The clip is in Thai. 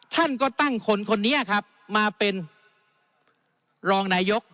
ท่านก็ตั้งคนคนนี้ครับมาเป็นรองนายก